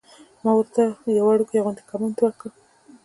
ما ورته يو وړوکے غوندې کمنټ وکړۀ -